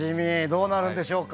どうなるんでしょうか？